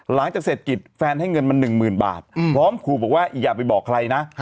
หลังจากเสร็จกิจแฟนให้เงินมา๑๐๐๐บาทพร้อมขู่บอกว่าอย่าไปบอกใครนะ